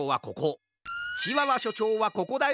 チワワしょちょうはここだよ！